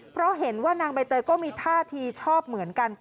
เพราะเห็นว่านางใบเตยก็มีท่าทีชอบเหมือนกัน